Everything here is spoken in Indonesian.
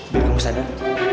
biar kamu sadar